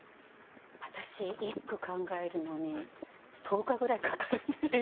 私１句考えるのに１０日ぐらいかかるんですよ。